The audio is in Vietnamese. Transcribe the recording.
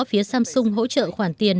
phía samsung hỗ trợ khoản tiền